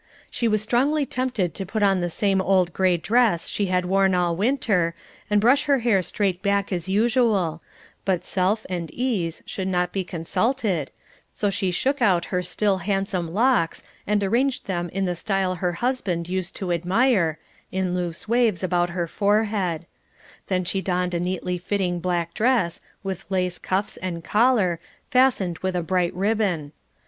She was strongly tempted to put on the same old gray dress she had worn all winter, and brush her hair straight back as usual; but self and ease should not be consulted, so she shook out her still handsome locks and arranged them in the style her husband used to admire, in loose waves about her forehead; then she donned a neatly fitting black dress, with lace cuffs and collar, fastened with a bright ribbon.